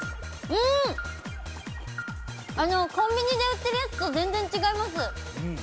コンビニで売っているやつと全然違います。